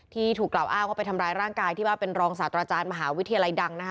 ถูกกล่าวอ้างว่าไปทำร้ายร่างกายที่ว่าเป็นรองศาสตราจารย์มหาวิทยาลัยดังนะคะ